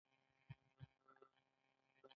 پښتو باید پښتو پاتې شي.